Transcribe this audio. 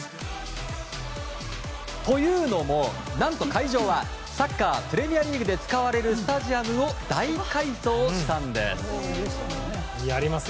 というのも何と、会場はサッカー、プレミアリーグで使われるスタジアムを大改装したんです。